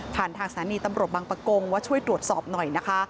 ทางสถานีตำรวจบังปะกงว่าช่วยตรวจสอบหน่อยนะคะ